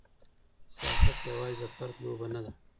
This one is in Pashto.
سياست يوازي د فرد لوبه نه ده.